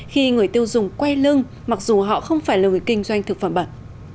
khi người tiêu dùng quay lưng mặc dù họ không phải là người kinh doanh thực phẩm bẩn